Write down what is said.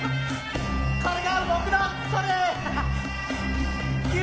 これが僕のそれっ！